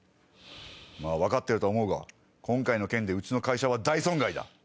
まぁ分かってると思うが今回の件うちの会社は大損害だ。